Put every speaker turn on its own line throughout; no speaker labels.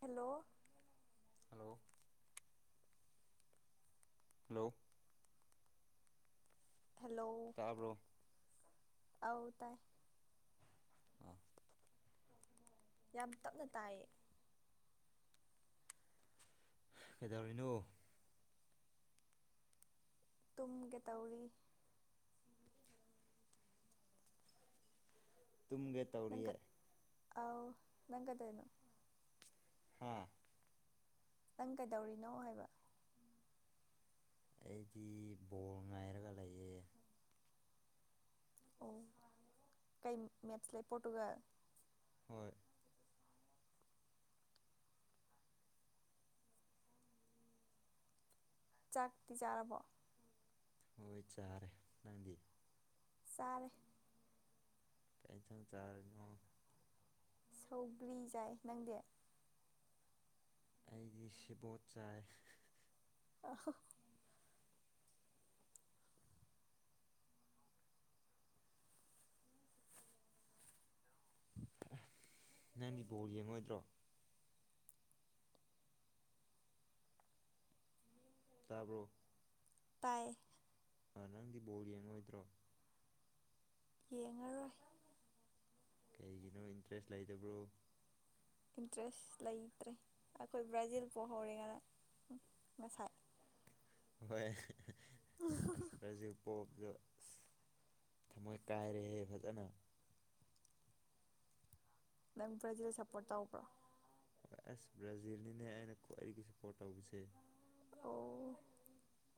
hello
hello hello
hello ꯑꯥꯎ ꯇꯥꯏ
ꯑꯥ
ꯌꯥꯝ ꯇꯞꯅ ꯇꯥꯏꯌꯦ
ꯑꯦꯗ ꯑꯣꯏꯔꯤꯅꯣ
ꯇꯨꯝꯒꯦ ꯇꯧꯔꯤ
ꯇꯨꯝꯒꯦ ꯇꯧꯔꯤꯌꯦ
ꯑ ꯅꯪꯒꯗꯅꯣ
ꯍꯥꯥ
ꯅꯪ ꯀꯩꯗꯧꯔꯤꯅꯣ ꯍꯥꯏꯕ
ꯑꯩꯗꯤ ꯕꯣꯜ ꯉꯥꯏꯔꯒ ꯂꯩꯌꯦ
ꯑꯣ ꯀꯩ ꯃꯦꯠꯁ ꯂꯩ ꯄꯣꯔꯇꯨꯒꯜ
ꯍꯣꯏ
ꯆꯥꯛꯇꯤ ꯆꯥꯔꯕꯣ
ꯍꯣꯏ ꯆꯥꯔꯦ ꯅꯪꯗꯤ
ꯆꯔꯦ
ꯀ ꯊꯝ ꯆꯥꯔꯤꯅꯣ
ꯁꯧꯒ꯭ꯔꯤ ꯌꯥꯥꯏ ꯅꯪꯗꯤ
ꯑꯩꯗꯤ ꯁꯤꯕꯣꯠ ꯆꯥꯏ
ꯑꯣ
ꯅꯪꯒꯤ ꯕꯣꯜ ꯌꯦꯡꯉꯣꯏꯗ꯭ꯔꯣ ꯇꯥꯕ꯭ꯔꯣ
ꯇꯥꯏ
ꯑ ꯅꯪꯗꯤ ꯕꯣꯔ ꯌꯦꯡꯉꯣꯏꯗ꯭ꯔꯣ
ꯌꯦꯡꯉꯔꯣꯏ
ꯀꯩꯒꯤꯅꯣ ꯏꯟꯇꯔꯦꯁ ꯂꯩꯗꯕ꯭ꯔꯣ
ꯏꯟꯇꯔꯦꯁ ꯂꯩꯇ꯭ꯔꯦ ꯑꯩꯈꯣꯏ ꯕ꯭ꯔꯥꯖꯤꯜ ꯄꯣꯛ ꯍꯧꯧꯔꯤꯉꯅ ꯉꯁꯥꯏ
ꯍꯣꯏꯖꯤ ꯄꯣ ꯑ ꯑ ꯊꯃꯣꯏ ꯀꯥꯏꯔꯦꯍꯦ ꯐꯖꯅ
ꯅꯪ ꯄ꯭ꯔꯖꯗ ꯁꯞꯄꯣꯔꯠ ꯇꯕ꯭ꯔꯣꯥ
ꯍ ꯑꯁ ꯕ꯭ꯔꯥꯖꯤꯜꯅꯤꯅꯦ ꯑꯩꯅꯋꯥ ꯑꯩꯒꯤ ꯁꯞꯄꯣꯔꯠ ꯇꯧꯕꯁꯦ
ꯑꯣ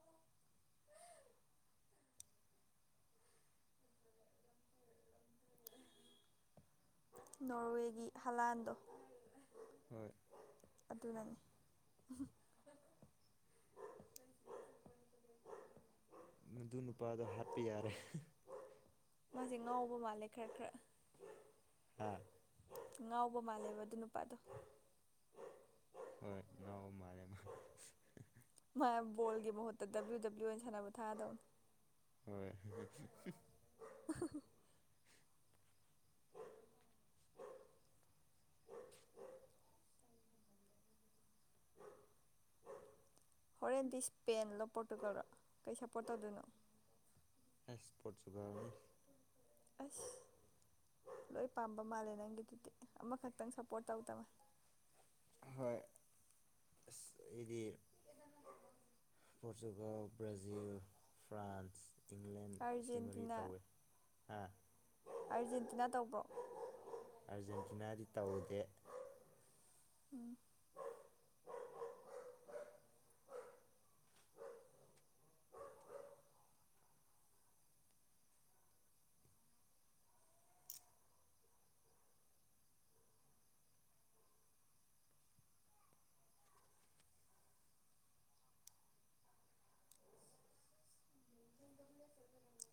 ꯅꯣꯔꯋꯦꯒꯤ ꯍꯂꯥꯟꯗꯣ
ꯍꯣꯏ
ꯑꯗꯨꯅꯅꯤ
ꯃꯗꯨ ꯅꯨꯄꯥꯗꯣ ꯍꯥꯞꯄ ꯌꯥꯔꯦ
ꯃꯥꯁꯦ ꯉꯥꯎꯕ ꯃꯥꯜꯂꯦ ꯈꯔ ꯈꯔ
ꯍꯥꯥ
ꯉꯥꯎꯕ ꯃꯥꯜꯂꯦꯕ ꯑꯗꯨ ꯅꯨꯄꯥꯗꯣ
ꯍꯣꯏ ꯅꯎ ꯃꯥꯔꯦ ꯃꯥ
ꯕꯣꯒꯤ ꯃꯍꯨꯠꯇ ꯗꯕ꯭ꯂꯤꯎ ꯗꯕ꯭ꯂꯤꯎ ꯑꯣꯏꯅ ꯁꯥꯟꯅꯕ ꯊꯥꯗꯧꯅꯤ
ꯍꯣꯏ
ꯑ ꯍꯣꯔꯦꯟꯗꯤ ꯁꯄꯦꯟ ꯂꯄꯣꯔꯠꯇꯨ ꯇꯧꯔ ꯀꯩ ꯁꯞꯄꯣꯔꯠ ꯇꯧꯗꯣꯏꯅꯣ
ꯑꯁ ꯄꯣꯠꯆꯒꯥꯎꯅꯤꯁ
ꯑꯁ ꯂꯣꯏ ꯄꯥꯝꯕ ꯃꯥꯜꯂꯦ ꯅꯪꯒꯤꯗꯨꯗꯤ ꯑꯃꯈꯛꯇꯪ ꯁꯞꯄꯣꯔꯠ ꯇꯧꯗꯕ
ꯍꯣꯏ ꯏꯗꯤ ꯄꯣꯔꯇꯨꯒꯜ ꯕ꯭ꯔꯥꯖꯤꯜ ꯐ꯭ꯔꯥꯟꯁ ꯏꯪꯂꯦꯟ ꯁꯤ ꯃꯔꯤ
ꯑꯥꯔꯖꯦꯟꯇꯤꯅꯥ
ꯇꯧꯋꯦ ꯍꯥ
ꯑꯥꯔꯖꯦꯟꯇꯤꯅꯥ ꯇꯧꯕ꯭ꯔꯣ
ꯑꯥꯔꯖꯦꯟꯇꯤꯅꯥꯗꯤ ꯇꯧꯗꯦ
ꯎꯝ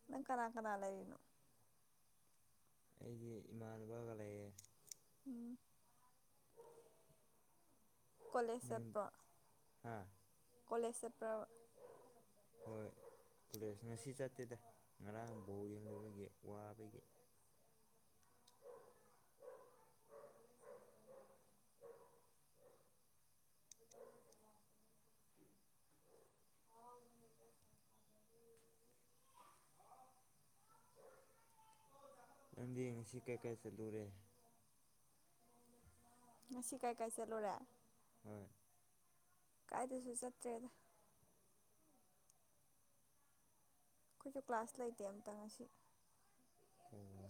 ꯅꯪ ꯀꯅꯥ ꯀꯅꯥ ꯂꯩꯔꯤꯅꯣ
ꯑꯩꯒꯤ ꯏꯃꯥꯟꯅꯕꯒ ꯂꯩꯌꯦ
ꯎꯝ ꯀꯣꯂꯦꯖ
ꯅꯪ
ꯆꯠꯄ꯭ꯔꯣ
ꯍꯥ
ꯀꯣꯂꯦꯖ ꯆꯠꯄ꯭ꯔꯥ ꯕ
ꯍꯣꯏ ꯀꯣꯂꯦꯖ ꯉꯁꯤ ꯆꯠꯇꯦꯗ ꯉꯔꯥꯡ ꯕꯥꯜ ꯌꯦꯡꯂꯨꯕꯒꯤ ꯋꯥꯕꯒꯤ
[unintelligible]
ꯅꯪꯗꯤ ꯉꯁꯤ ꯀꯥꯏ ꯀꯥꯏ ꯆꯠꯂꯨꯔꯦ
ꯉꯁꯤ ꯀꯥꯏ ꯀꯥꯏ ꯆꯠꯂꯨꯔꯦ
ꯍꯣꯏ
ꯀꯥꯏꯗꯁꯨ ꯆꯠꯇ꯭ꯔꯦꯗ ꯑꯩꯈꯣꯏꯁꯨ ꯀ꯭ꯂꯥꯁ ꯂꯩꯇꯦ ꯑꯝꯇꯥ ꯉꯁꯤ
ꯑꯣ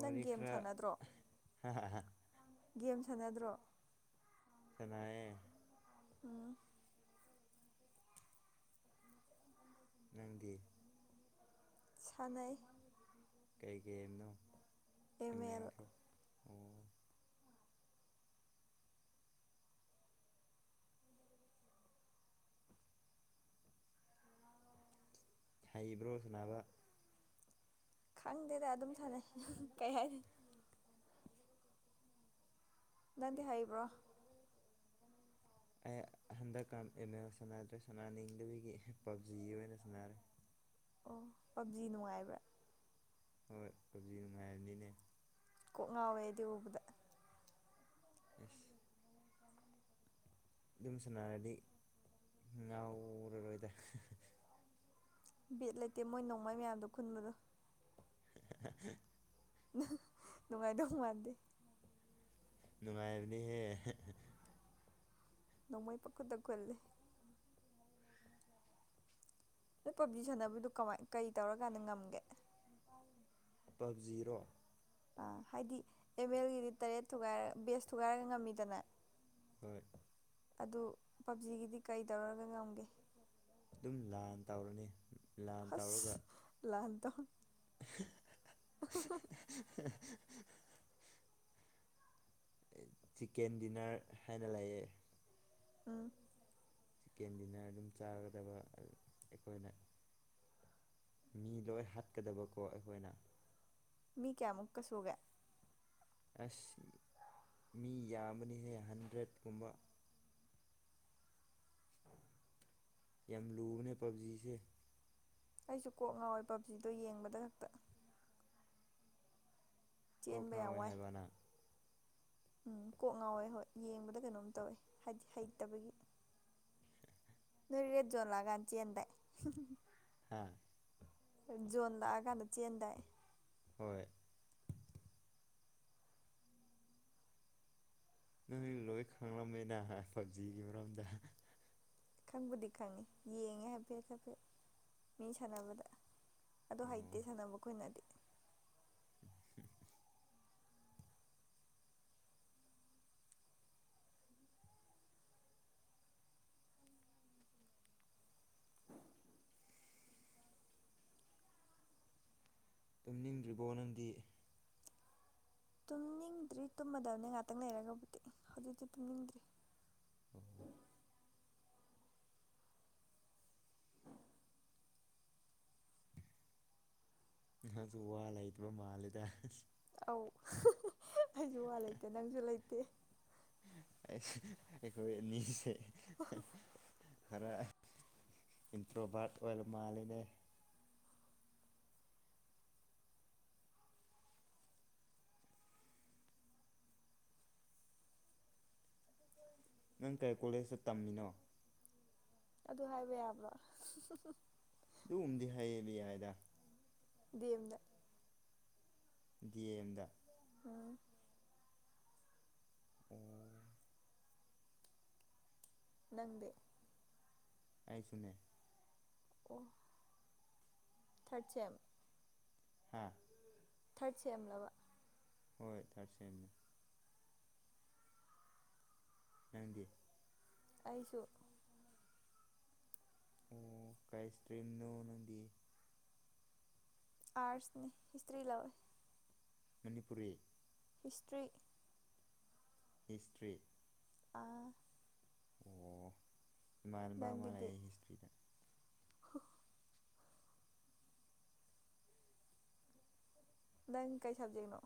ꯅꯪ ꯒꯦꯝ
ꯈꯔ
ꯁꯥꯟꯅꯗ꯭ꯔꯣ
ꯍꯥ ꯍꯥ ꯍꯥ
ꯒꯝ ꯁꯥꯟꯅꯗ꯭ꯔꯣ
ꯁꯥꯅꯥꯌꯦ
ꯑ
ꯅꯪꯗꯤ
ꯁꯅꯩ
ꯀꯩ ꯒꯥꯃꯦ ꯅꯣ
ꯑꯃ ꯑꯥꯜ
ꯍꯩꯕ꯭ꯔꯣ ꯁꯅꯥꯕ
ꯈꯪꯗꯦꯗ ꯑꯗꯨꯝ ꯁꯥꯟꯅꯩ ꯀꯩ ꯍꯥꯏꯅꯤ ꯅꯪꯗꯤ ꯍꯩꯕ꯭ꯔꯣ
ꯑꯩ ꯍꯟꯗꯛ ꯀꯥꯟ ꯑꯦꯝ ꯑꯦꯜ ꯁꯥꯟꯅꯗ꯭ꯔꯦ ꯁꯥꯟꯅꯅꯤꯡꯗꯕꯒꯤ ꯄꯞꯖꯤ ꯑꯣꯏꯅ ꯁꯥꯟꯅꯔꯦ
ꯑꯣ ꯄꯞꯖꯤ ꯅꯨꯡꯉꯥꯏꯕ꯭ꯔꯥ
ꯍꯣꯏ ꯄꯞꯖꯤ ꯅꯨꯡꯉꯥꯏꯕꯅꯤꯅꯦ
ꯀꯣꯛ ꯉꯥꯎꯋꯦ ꯑꯩꯗꯤ ꯎꯕꯗ
ꯑꯥꯏꯁ ꯑꯗꯨꯝ ꯁꯅꯥꯔꯗꯤ ꯉꯎꯔꯔꯣꯏꯗ
ꯕꯤꯠ ꯂꯩꯇꯦ ꯃꯣꯏ ꯅꯣꯡꯃꯩ ꯃꯌꯥꯝꯗꯣ ꯈꯨꯟꯕꯗꯣ
[inaudible] ꯍꯥ ꯍꯥꯥ ꯍꯥ
ꯅꯨꯡꯉꯥꯏꯗꯧ ꯃꯥꯥꯟꯗꯦ
ꯅꯨꯡꯉꯥꯏꯕꯅꯦꯍꯦ
ꯅꯣꯡꯃꯩ ꯄꯈꯨꯟꯗ ꯈꯨꯜꯂꯤ ꯅꯣꯏ ꯄꯞꯖꯤ ꯁꯥꯟꯅꯕꯗꯨ ꯀꯃꯥꯏ ꯀꯔꯤ ꯇꯧꯔꯀꯥꯟꯗ ꯉꯝꯒꯦ
ꯄꯞꯖꯤꯔꯣ
ꯑ ꯍꯥꯏꯗꯤ ꯑꯦꯝ ꯑꯦꯜꯒꯤꯗꯤ ꯇꯔꯦꯠ ꯊꯨꯒꯥꯏꯔ ꯕꯦꯁ ꯊꯨꯒꯥꯏꯔꯒ ꯉꯝꯃꯤꯗꯅ
ꯍꯣꯏ
ꯑꯗꯨ ꯄꯞꯖꯤꯒꯤꯗꯤ ꯀꯩ ꯇꯧꯔꯒ ꯉꯝꯒꯦ
ꯑꯗꯨꯝ ꯂꯥꯟ ꯇꯧꯔꯅꯤ ꯂꯥꯟ ꯇꯧꯔꯒ
ꯑꯁ ꯂꯥꯟ ꯇꯧ
ꯆꯤꯀꯦꯟ ꯗꯤꯟꯅꯔ ꯍꯥꯏꯅ ꯂꯩꯌꯦ
ꯎꯝ
ꯆꯤꯛꯀꯦꯟ ꯗꯤꯟꯅꯔ ꯑꯗꯨꯝ ꯆꯥꯒꯗꯕ ꯑꯩꯈꯣꯏꯅ ꯃꯤ ꯂꯣꯏ ꯍꯥꯠꯀꯗꯕꯀꯣ ꯑꯩꯈꯣꯏꯅ
ꯃꯤ ꯀꯌꯥꯃꯨꯛꯀ ꯁꯨꯒꯦ
ꯑꯁ ꯃꯤ ꯌꯥꯝꯕꯅꯤꯍꯦ ꯍꯟꯗ꯭ꯔꯦꯠꯀꯨꯝꯕ ꯌꯥꯝ ꯂꯨꯕꯅꯦ ꯄꯕꯖꯤꯁꯦ
ꯑꯩꯁꯨ ꯀꯣꯛ ꯉꯥꯎꯋꯦ ꯄꯕꯖꯤꯗꯣ ꯌꯦꯡꯕꯗ ꯈꯛꯇ
ꯀꯣꯛ
ꯆꯦꯟꯕ ꯌꯥꯝ
ꯉꯥꯎꯋꯦ
ꯋꯥꯏ
ꯍꯥꯏꯕ ꯅꯪ
ꯎꯝ ꯀꯣꯛ ꯉꯥꯎꯋꯦ ꯍꯣꯏ ꯌꯦꯡꯕꯗ ꯀꯩꯅꯣꯝ ꯇꯧꯋꯦ ꯍꯥꯏꯗꯤ ꯍꯩꯇꯕꯒꯤ ꯅꫭꯏ ꯔꯦꯗ ꯖꫭꯟ ꯂꯥꯛꯀꯥꯟ ꯆꯦꯟꯗꯥꯏ
[inaudible]
ꯖꯣꯟ ꯂꯥꯛꯑꯥ ꯀꯥꯟꯗ ꯆ‌ꯦꯟꯗꯥꯏ
ꯍꯣꯏ ꯅꯣꯏ ꯂꯣꯏ ꯈꯪꯂꯝꯃꯦꯅ ꯄꯞꯖꯤꯒꯤ ꯃꯔꯝꯗ
ꯈꯪꯕꯨꯗꯤ ꯈꯪꯉꯤ ꯌꯦꯡꯉꯦ ꯍꯥꯏꯐꯦꯠ ꯍꯥꯏꯐꯦꯠ ꯃꯤ ꯁꯥꯟꯅꯕꯗ ꯑꯗꫭ ꯍꯩꯇꯦ
ꯑꯣ
ꯁꯥꯟꯅꯕ ꯈꯣꯏꯅꯗꯤ
ꯇꯨꯝꯅꯤꯡꯗ꯭ꯔꯤꯕꫭ ꯅꯪꯗꯤ
ꯇꯨꯝꯅꯤꯡꯗ꯭ꯔꯤ ꯇꯨꯝꯃꯗꯕꯅꯤ ꯉꯥꯛꯇꯪ ꯂꯩꯔꯒꯕꯨꯗꯤ ꯍꯧꯖꯤꯛꯇꯤ ꯇꯨꯝꯅꯤꯡꯗ꯭ꯔꯤ
ꯑꯣ
ꯎꯝ
ꯅꯪꯁꯨ ꯋꯥ ꯂꯩꯕ꯭ꯔꫭ ꯃꯥꯜꯂꯤꯗ
ꯑꯧ ꯑꯩꯁꯨ ꯋꯥ ꯂꯩꯇꯦ ꯅꯪꯁꯨ ꯂꯩꯇꯦ
ꯑꯩꯈꯣꯏ ꯑꯅꯤꯁꯦ
[inaudible]
ꯈꯔ ꯏꯟꯇ꯭ꯔꯣꯚꯥꯔꯠ ꯑꯣꯏꯕ ꯃꯥꯜꯂꯤꯅꯦ ꯅꯪ ꯀꯔꯤ ꯀꯣꯂꯦꯖꯇ ꯇꯝꯃꯤꯅꯣ
ꯑꯗꯨ ꯍꯥꯏꯕ ꯌꯥꯕ꯭ꯔꫭ
ꯑꯗꯨꯒꯨꯝꯗꯤ ꯍꯥꯌꯦꯕꯤ ꯍꯥꯏꯗ
ꯦꯝꯗ
ꯗꯤꯑ ꯑꯦꯝꯗ
ꯎꯝ
ꯎꯝ
ꯅꯪꯗꯦ
ꯑꯩꯥꯏꯁꯨꯨꯅꯦ
ꯀ ꯊꯥꯔꯆꯦꯝ
ꯍꯥꯥ
ꯊꯥꯔ ꯁꯦ ꯑꯃ ꯂꯥꯎ
ꯍꯣꯏ ꯆꯔꯁꯃꯦ ꯅꯗꯤ
ꯑꯩꯁꯨ
ꯑꯣ ꯀꯥꯏꯁ ꯀ꯭ꯔꯤꯝꯅꯣ ꯅꯪꯗꯤ
ꯑꯥꯔꯠꯁꯅꯤ ꯍꯤꯁꯇ꯭ꯔꯤ ꯂꯧꯋꯦ
ꯃꯅꯤꯄꯨꯔꯤ
ꯍꯤꯁꯇ꯭ꯔꯤ
ꯍꯤꯁꯇ꯭ꯔꯤ
ꯑ
ꯏꯥꯟꯅꯕ ꯑꯃ ꯂꯩꯑ ꯍꯤꯁꯇ꯭ꯔꯤꯗ
ꯍ ꯀꯩ ꯁꯕꯖꯦꯛꯅꯣ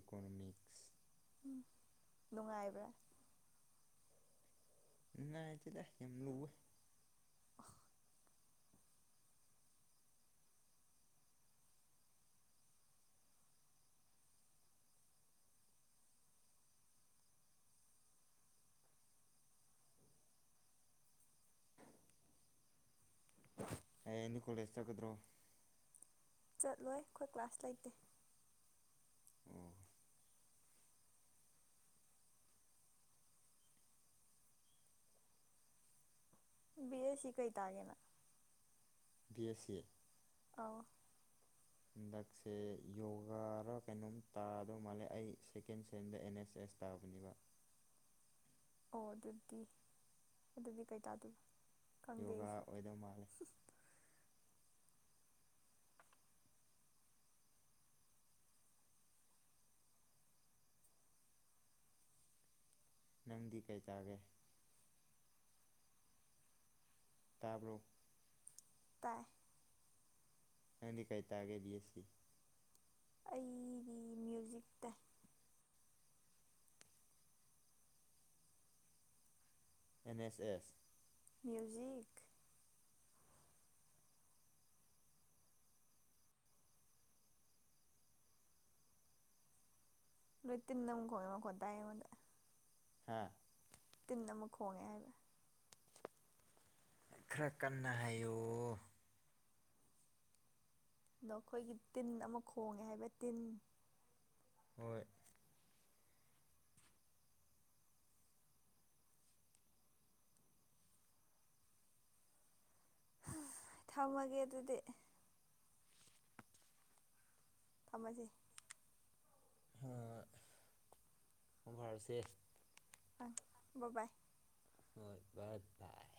ꯏꯀꯣꯅꯣꯃꯤꯛꯁ
ꯅꯨꯡꯉꯥꯏꯕ꯭ꯔꯥ
ꯉꯥꯏ ꯆꯗ ꯂꯨꯕ
[unintelligible]
ꯑꯦꯅꯤ ꯀꯣꯂꯦꯖ ꯆꯒꯗ꯭ꯔꯣ
ꯆꯠꯂꯣꯏ ꯑꯩꯈꯣꯏ ꯀ꯭ꯂꯥꯁ ꯂꯩꯇꯦ
ꯑꯣ
ꯕꯤ ꯑꯦ ꯁꯤ ꯀꯣꯏ ꯇꯥꯑꯒꯦꯅ
ꯕꯤ ꯑꯦꯁ ꯁꯤ ꯑꯦ
ꯑ
ꯍꯟꯗꯛꯁꯦ ꯌꯣꯒꯥꯔ ꯀꯩꯅꯣꯝ ꯇꯥꯗꯧ ꯃꯥꯜꯂꯦ ꯑꯩ ꯁꯦꯀꯦꯟ ꯁꯦꯟꯗ ꯑꯦꯟ ꯑꯦꯁ ꯑꯦꯁ ꯆꯁ ꯇꯥꯕꯅꯦꯕ
ꯑꯣ ꯑꯗꯨꯗꯤ ꯑꯗꯨꯗꯤ ꯀꯩ ꯇꯥꯗꯣꯏꯕ ꯈꯪꯗꯦ
ꯌꯣꯒꯥ
ꯑꯩꯁꯨ
ꯑꯣꯏꯗꯧ ꯃꯥꯜꯂꯦ ꯅꯪꯗꯤ ꯀꯩ ꯇꯥꯒꯦ ꯇꯦꯕ꯭ꯂꯣ
ꯇꯥꯏ
ꯑꯪꯗꯤ ꯀꯩ ꯇꯥꯒꯦ ꯕꯤ ꯑꯦꯁ ꯁꯤ
ꯑꯩꯒꯤ ꯃ꯭ꯌꯨꯖꯤꯛꯇ
ꯑꯦꯟ ꯑꯦꯁ ꯑꯦꯁ
ꯃ꯭ꯌꯨꯖꯤꯛ ꯇꯅ ꯀꯠꯇꯑꯗ
ꯍꯥꯥ
ꯇꯤꯟ ꯅꯃ ꯈꯣꯒ ꯍꯥꯏꯕ
ꯈꯔ ꯀꯟꯅ ꯍꯥꯏꯌꯨ
ꯑꯗ ꯑꯩꯈꯣꯏꯒꯤ ꯇꯤꯟ ꯑꯃ ꯈꯣꯡꯉꯦ ꯍꯥꯏꯕ ꯇꯤꯟ
ꯍꯣꯏ
ꯊꯝꯃꯒꯦ ꯑꯗꯨꯗꯤ ꯊꯃꯖꯩ
ꯑꯣꯚꯔꯁꯦꯁ
ꯑ ꯕꯥꯕꯥꯏ
ꯍꯣꯏ ꯔ ꯇꯥꯏ